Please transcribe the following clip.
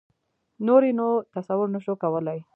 نور یې نو تصور نه شو کولای.